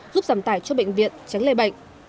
giúp giảm tải cho bệnh viện tránh lây bệnh